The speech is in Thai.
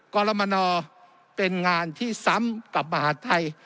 กรมนเป็นงานที่ซ้ำกับมหาดไทย